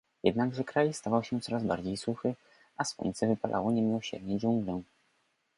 Jednakże kraj stawał się coraz bardziej suchy, a słońce wypalało niemiłosiernie dżunglę.